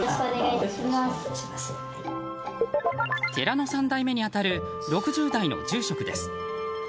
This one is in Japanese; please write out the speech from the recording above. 寺の３代目に当たる６０代の住職です。